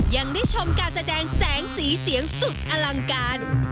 ยังได้ชมการแสดงแสงสีเสียงสุดอลังการ